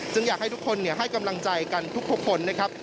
อยากให้ทุกคนให้กำลังใจกันทุกคนนะครับ